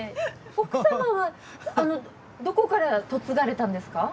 奥様はどこから嫁がれたんですか？